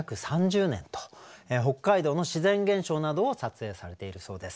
北海道の自然現象などを撮影されているそうです。